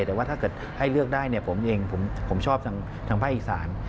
แต่ว่าถ้าเกิดให้เลือกได้ผมชอบทางพระอีสาน